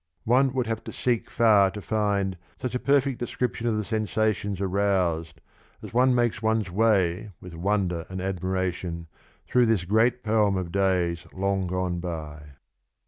One would have to seek far to find such a perfect description of the sensations aroused as one makes one's way with wonder and admiration through this great poem of days long gone by.